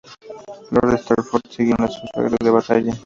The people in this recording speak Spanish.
Lord Stafford siguió a su suegro en batalla.